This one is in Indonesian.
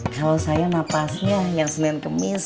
kalau saya nafasnya yang senen kemis